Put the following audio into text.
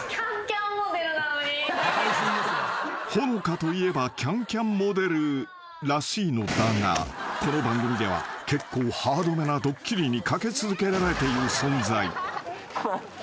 ［ほのかといえば『ＣａｎＣａｍ』モデルらしいのだがこの番組では結構ハードめなドッキリにかけ続けられている存在］